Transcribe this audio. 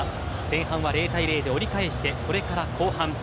前半は０対０で折り返してこれから後半。